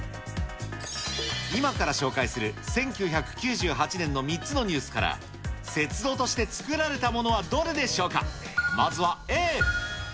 今から紹介する１９９８年の３つのニュースから、雪像として作られたものはどれでしょうか。